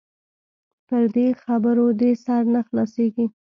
پر دې خبرو دې سر نه خلاصيږي.